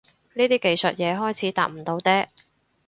呢啲技術嘢開始搭唔到嗲